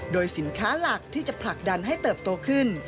โดยสินค้าหลักที่จะผลักดันให้เติบโตขึ้น